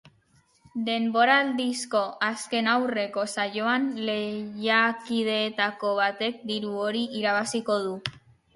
Denboraldiko azken aurreko saioan, lehiakideetako batek diru hori irabaziko du.